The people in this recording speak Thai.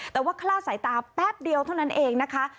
แต่ว่าคลาดสายตาแป๊บเดียวเท่านั้นเองนะคะ